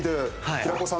平子さん。